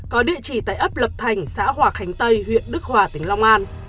có địa chỉ tại ấp lập thành xã hòa khánh tây huyện đức hòa tỉnh long an